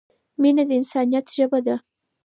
مینه د انسانیت ژبه ده.